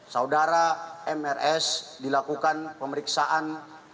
saudara mrs dilakukan pemeriksaan